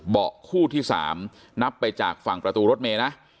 เบาะคู่ที่๓นับไปจากฝั่งประตูรถเมย์นะ